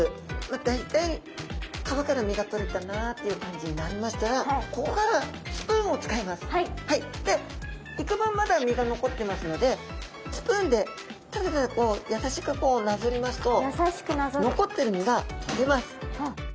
大体皮から身がとれたなっていう感じになりましたらここからでいくぶんまだ身が残ってますのでスプーンでただただ優しくこうなぞりますと残ってる身がとれます。